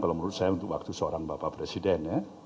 kalau menurut saya untuk waktu seorang bapak presiden ya